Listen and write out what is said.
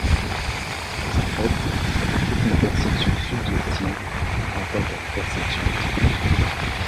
Mais en fait toutes nos perceptions subjectives renvoient à la perception divine.